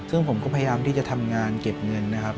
ซึ่งผมก็พยายามที่จะทำงานเก็บเงินนะครับ